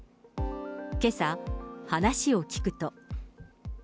けさ、話を聞くと。